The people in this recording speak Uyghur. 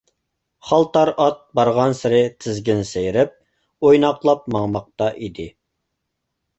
خالتار ئات بارغانسېرى تىزگىن سىيرىپ، ئويناقلاپ ماڭماقتا ئىدى.